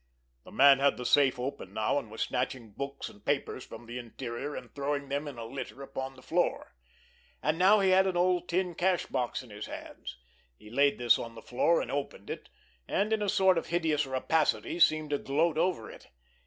The man had the safe open now, and was snatching books and papers from the interior, and throwing them in a litter upon the floor. And now he had an old tin cash box in his hands. He laid this on the floor and opened it, and in a sort of hideous rapacity seemed to gloat over it.